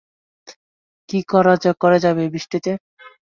কী করে যাবে এই বৃষ্টিতে?